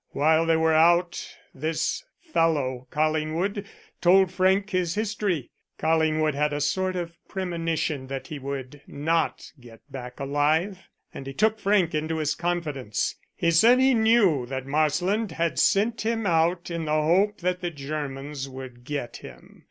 While they were out this fellow Collingwood told Frank his history. Collingwood had a sort of premonition that he would not get back alive, and he took Frank into his confidence. He said he knew that Marsland had sent him out in the hope that the Germans would get him.